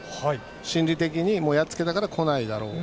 心理的にやっつけたから来ないだろうと。